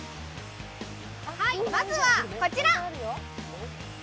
まずはこちら。